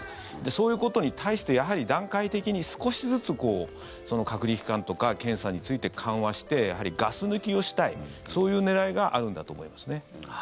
そういうことに対して段階的に少しずつ隔離期間とか検査について緩和してガス抜きをしたいそういう狙いがあるんだと思いますね。